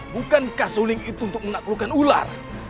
bukankah suling itu untuk menaklukkan ular